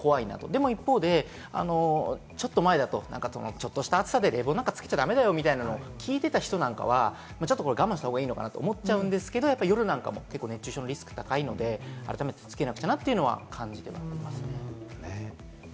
でも一方でちょっと前だと、ちょっとした暑さで冷房なんかつけちゃ駄目だよみたいなのを聞いてた人なんかは我慢した方がいいのかなと思っちゃうんですけれども、夜なんかも熱中症のリスクが高いので改めてつけなくちゃなと感じてますね。